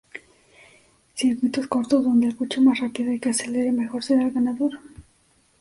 Circuitos cortos donde el coche más rápido y que acelere mejor será el ganador.